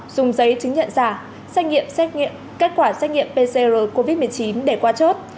dùng giấy chứng nhận giả xét nghiệm xét nghiệm kết quả xét nghiệm pcr covid một mươi chín để qua chốt